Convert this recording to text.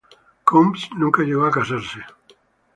Coombs nunca llegó a casarse.